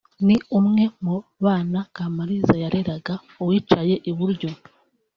ni umwe mu bana Kamaliza yareraga (uwicaye iburyo)